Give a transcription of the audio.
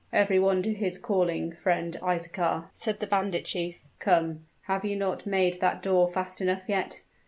"Every one to his calling, friend Isaachar," said the brigand chief. "Come! have you not made that door fast enough yet?